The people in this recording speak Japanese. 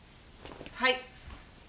はい。